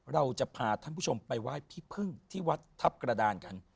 เราจะพาท่านผู้ชมไปไหว้พี่พึ่งที่วัดทัพกระดานกัน